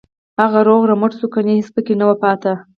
هغه روغ رمټ شو کنه هېڅ پکې نه وو پاتې.